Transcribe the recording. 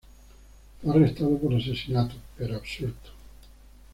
Fue arrestado por asesinato, pero absuelto.